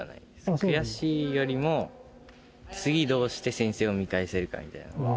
悔しいよりも、次どうして先生を見返せるかみたいな。